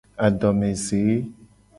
Adomeze.